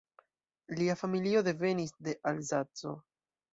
Lia familio devenis de Alzaco.